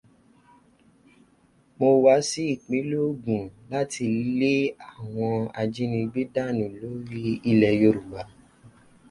Mó wá sí ìpínlẹ̀ Ogun láti lé àwọn ajínigbé dànù lórí ilẹ̀ Yorùbá.